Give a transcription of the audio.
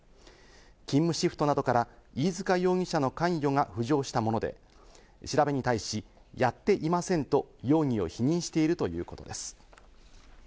勤務シフトなどから飯塚容疑者の関与が浮上したもので、調べに対し、やっていませんと容疑を否認しているということです。